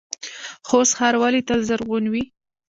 خوست ښار ولې تل زرغون وي؟